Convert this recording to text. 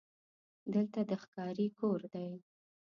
دلته د ښکاري کور دی: